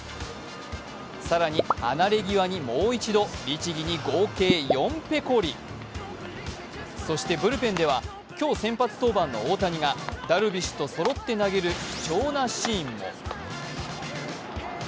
さらに離れ際に律儀に合計４ペコリそしてブルペンでは今日先発登板の大谷がダルビッシュとそろって投げる貴重なシーンも。